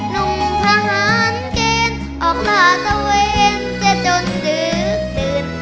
ลุงทหารเก้นออกราศเวรเจ็ดจนดึกตื่น